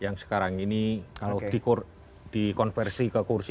yang sekarang ini kalau dikonversi ke kursi